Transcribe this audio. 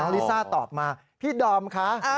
ลิซ่าตอบมาพี่ดอมคะ